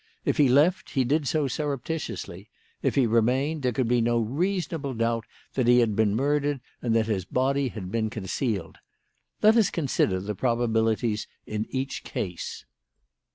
If he left, he did so surreptitiously; if he remained, there could be no reasonable doubt that he had been murdered and that his body had been concealed. Let us consider the probabilities in each case.